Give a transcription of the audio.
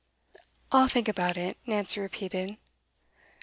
'I'll think about it,' Nancy repeated.